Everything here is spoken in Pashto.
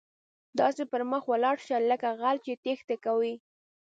داسې پر مخ ولاړ شه، لکه غل چې ټیښته کوي.